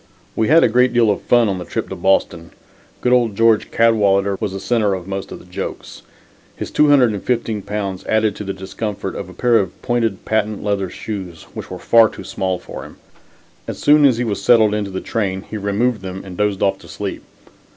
We had a great deal of fun on the trip to Boston. Good old George Cadwalader was the center of most of the jokes. His 215 pounds added to the discomfort of a pair of pointed patent leather shoes, which were far too small for him. As soon as he was settled in the train he removed them and dozed off to sleep.